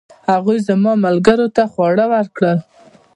هغوی زما ملګرو ته خواړه ورکړل.